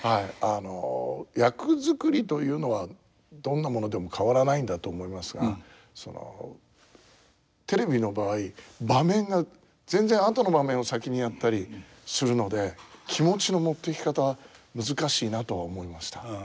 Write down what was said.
あの役作りというのはどんなものでも変わらないんだと思いますがそのテレビの場合場面が全然後の場面を先にやったりするので気持ちの持っていき方難しいなとは思いました。